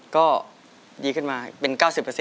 ก็ดีขึ้นมาเป็น๙๐